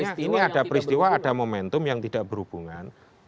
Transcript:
artinya ini ada peristiwa ada momentum yang tidak berhubungan